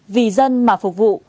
vì dân mà phục vụ